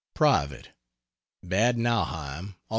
Private. BAD NAUHEIM, Aug.